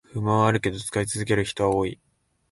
不満はあるけど使い続ける人は多い